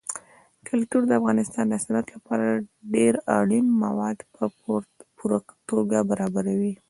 کلتور د افغانستان د صنعت لپاره ډېر اړین مواد په پوره توګه برابروي.